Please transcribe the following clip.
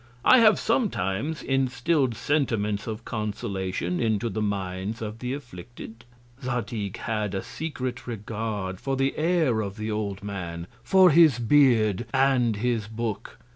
I have sometimes instill'd Sentiments of Consolation into the Minds of the Afflicted. Zadig had a secret Regard for the Air of the old Man, for his Beard, and his Book.